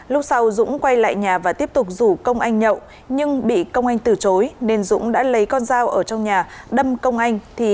lúc sau dũng quay lại nhà và tiếp tục rủ công anh nhậu nhưng bị công anh từ chối nên dũng đã lấy con dao ở trong nhà đâm công anh